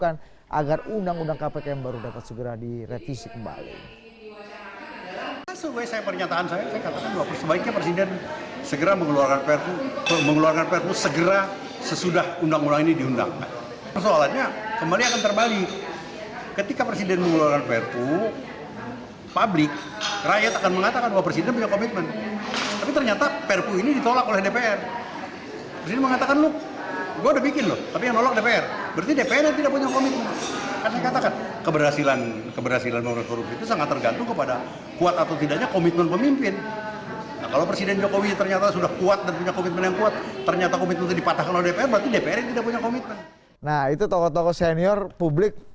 nah itu tokoh tokoh senior publik